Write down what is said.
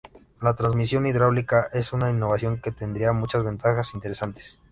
La transmisión hidráulica es una innovación que tendría muchas ventajas interesantes.